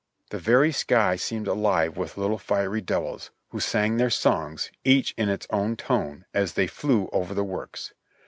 The very sky seemed alive with little fiery devils, who sang their songs, each in its own tone, as they flew over the works.